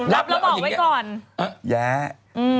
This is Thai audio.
รับแล้วบอกไว้ก่อน